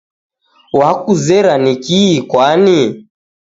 Wakuzera ni kii kwani?